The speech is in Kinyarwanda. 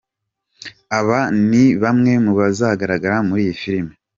Aba ni bamwe mu bazagaragara muri iyi filime.